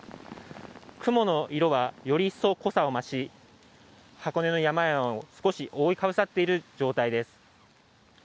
雲の色はより一層濃さを増し、箱根の山々を少し覆いかぶさっている状態です。